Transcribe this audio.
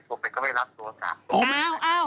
โทรไปก็ไม่รับตัวอากาศ